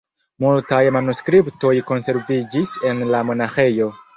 Multaj manuskriptoj konserviĝis en la monaĥejo.